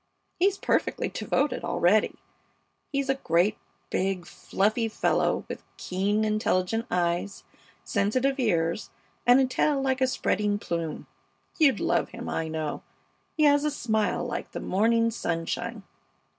He's perfectly devoted already. He's a great, big, fluffy fellow with keen, intelligent eyes, sensitive ears, and a tail like a spreading plume. You'd love him, I know. He has a smile like the morning sunshine.